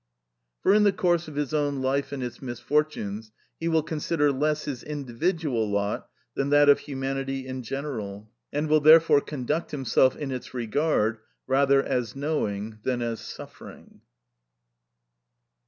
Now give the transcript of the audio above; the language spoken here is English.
2.) For in the course of his own life and its misfortunes, he will consider less his individual lot than that of humanity in general, and will therefore conduct himself in its regard, rather as knowing than as suffering.